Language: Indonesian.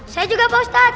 saya juga pak ustadz